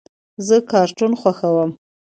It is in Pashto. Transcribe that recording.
زه کارټون خوښوم.